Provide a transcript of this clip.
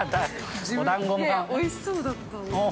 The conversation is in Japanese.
◆おいしそうだった。